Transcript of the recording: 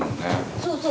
そうそう。